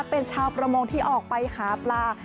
เป็นชาวประมงที่ออกไปหาปลา